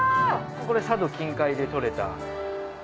これ佐渡近海で取れた。